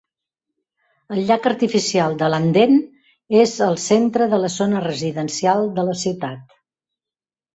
El llac artificial de Landen és el centre de la zona residencial de la ciutat.